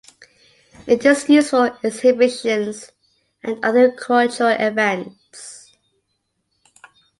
It is used for exhibitions and other cultural events.